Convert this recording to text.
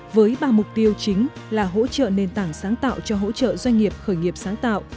với ba mục tiêu chính là hỗ trợ nền tảng sáng tạo cho hỗ trợ doanh nghiệp khởi nghiệp sáng tạo